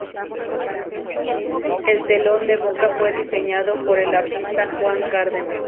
El telón de boca fue diseñado por el artista Juan Cárdenas.